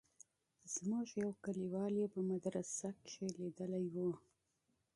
زموږ يو کليوال يې په مدرسه کښې ليدلى و.